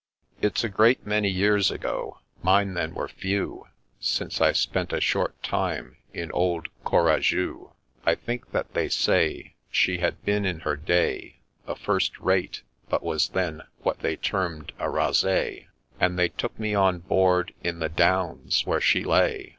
It 's a great many years ago — mine then were few — Since I spent a short time in old Courageux ;— I think that they say She had been, in her day, A First rate, — but was then what they termed a Rasee, — And they took me on board in the Downs, where she lay.